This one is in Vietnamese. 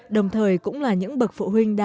đồng thời cũng là những bậc phụ huynh